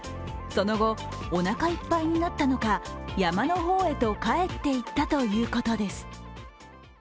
その後、おなかいっぱいになったのか、山の方へと帰って行ったということです。